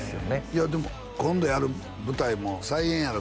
いやでも今度やる舞台も再演ある